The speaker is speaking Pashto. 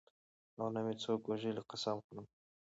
او نه مې څوک وژلي قسم خورم.